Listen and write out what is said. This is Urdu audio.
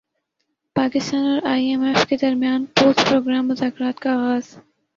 پاکستان اور ائی ایم ایف کے درمیان پوسٹ پروگرام مذاکرات کا اغاز